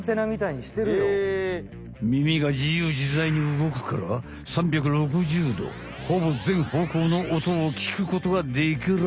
みみがじゆうじざいに動くから３６０どほぼぜんほうこうのおとを聞くことができら。